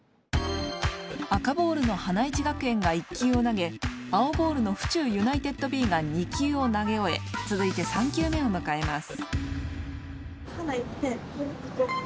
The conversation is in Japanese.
赤ボールの花一学園が１球を投げ青ボールの府中ユナイテッドＢが２球を投げ終えつづいて３球目をむかえます。